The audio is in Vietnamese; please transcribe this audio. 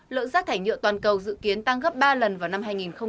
lượng rác thải nhựa toàn cầu dự kiến tăng gấp ba lần vào năm hai nghìn ba mươi